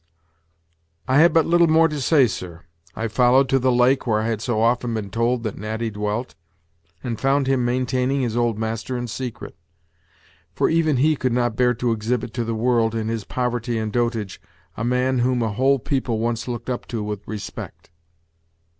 "I have but little more to say, sir, I followed to the lake where I had so often been told that Natty dwelt, and found him maintaining his old master in secret; for even he could not bear to exhibit to the world, in his poverty and dotage, a man whom a whole people once looked up to with respect."